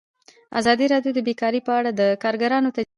ازادي راډیو د بیکاري په اړه د کارګرانو تجربې بیان کړي.